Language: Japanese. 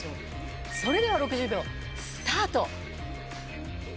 それでは６０秒スタート！